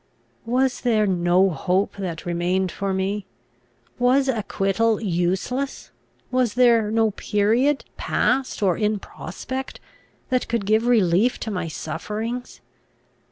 Was there no hope that remained for me? Was acquittal useless? Was there no period, past or in prospect, that could give relief to my sufferings?